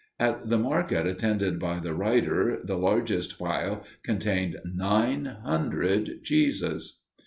At the market attended by the writer, the largest pile contained nine hundred cheeses.